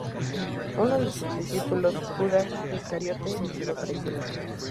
Uno de sus discípulos, Judas Iscariote, lo traicionó.